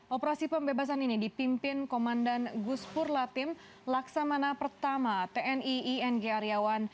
operasi pembebasan ini dipimpin komandan guspur latim laksamana pertama tni ing aryawan